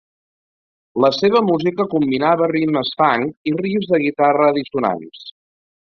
La seva música combinava ritmes funk i riffs de guitarra dissonants.